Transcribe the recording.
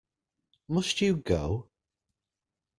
Must you go?